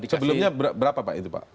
sebelumnya berapa pak itu pak